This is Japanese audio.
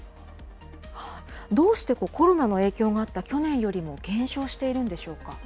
どうしてコロナの影響があった去年よりも減少しているんでし